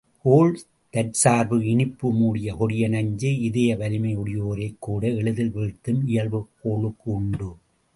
கோள் தற்சார்பு இனிப்பு மூடிய கொடிய நஞ்சு, இதய வலிமையுடையோரைக் கூட எளிதில் வீழ்த்தும் இயல்பு கோளுக்கு உண்டு.